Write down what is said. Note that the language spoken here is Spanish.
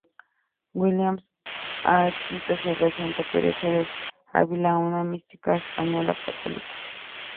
Williams ha escrito sobre santa Teresa de Ávila, una mística española católica.